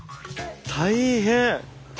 大変！